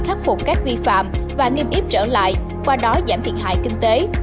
khắc phục các vi phạm và niêm yếp trở lại qua đó giảm thiệt hại kinh tế